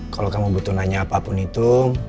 kalau kamu butuh nanya apapun itu